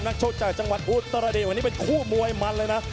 ชกจากจังหวัดอุตรดิษฐวันนี้เป็นคู่มวยมันเลยนะ